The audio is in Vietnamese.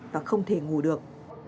và không thể ngủ được